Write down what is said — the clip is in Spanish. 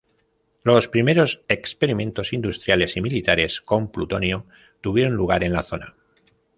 Los primeros experimentos industriales y militares con plutonio tuvieron lugar en la zona.